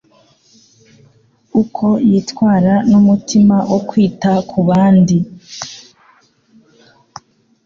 uko yitwara n'umutima wo kwita kubandi